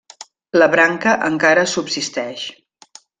La branca encara subsisteix.